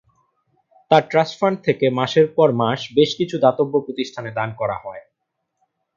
তার trust fund থেকে মাসের পর মাস বেশ কিছু দাতব্য প্রতিষ্ঠানে দান করা হয়।